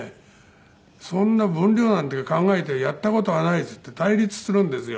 「そんな分量なんて考えてやった事はない」って言って対立するんですよ。